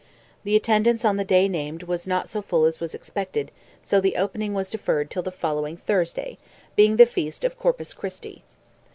The attendance on the day named was not so full as was expected, so the opening was deferred till the following Thursday—being the feast of Corpus Christi.